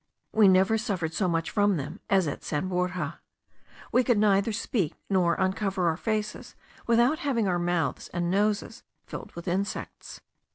We never suffered so much from them as at San Borja. We could neither speak nor uncover our faces without having our mouths and noses filled with insects.